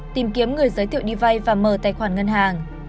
tìm kiếm người giới thiệu đi vay và mở tài khoản ngân hàng